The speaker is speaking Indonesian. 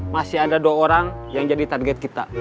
masih ada dua orang yang jadi target kita